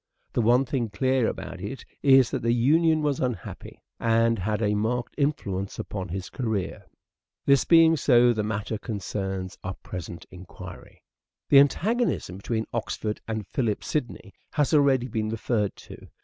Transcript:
The one thing clear about it is that the union was unhappy, and had a marked influence upon his career. This being so, the matter concerns our present enquiry. The antagonism between Oxford and Philip Sidney has already been referred to.